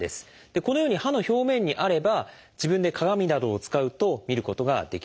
このように歯の表面にあれば自分で鏡などを使うと見ることができるんです。